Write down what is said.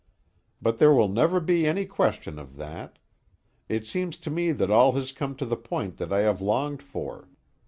But there will never be any question of that. It seems to me that all has come to the point that I have longed for.